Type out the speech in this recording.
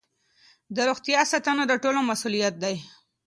د روغتیا ساتنه د ټولو مسؤلیت دی.